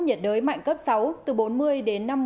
nhiệt đới mạnh cấp sáu từ bốn mươi đến